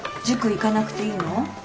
塾行かなくていいの？